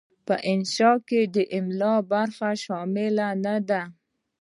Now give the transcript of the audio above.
په انشأ کې د املاء برخه شامله نه ده.